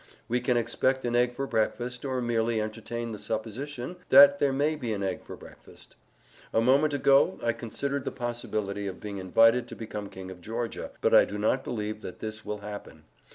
We can expect an egg for breakfast, or merely entertain the supposition that there may be an egg for breakfast. A moment ago I considered the possibility of being invited to become King of Georgia, but I do not believe that this will happen.